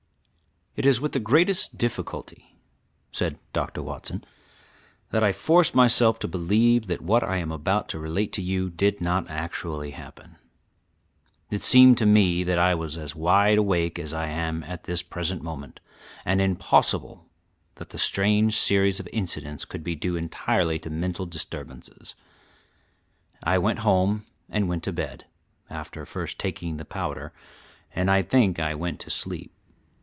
] It is with the greatest difficulty, (said Dr. Watson), that I force myself to believe that what I am about to relate to you did not actually happen. It seemed to me that I was as wide awake as I am at this present moment, and impossible that the strange series of incidents could be due entirely to mental disturbances. I went home and went to bed, after first taking the powder, and I think I went to sleep.